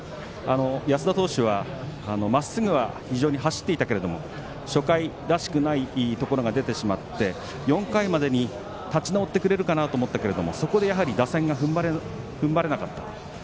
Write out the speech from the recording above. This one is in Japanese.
安田投手は、まっすぐは非常に走っていたけども初回、らしくないところが出てしまって４回までに立ち直ってくれるかなと思ったけれどそこでやはり打線がふんばれなかった。